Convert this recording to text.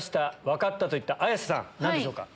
「分かった」と言った綾瀬さん何でしょうか？